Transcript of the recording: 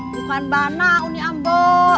bukan bana uni ambo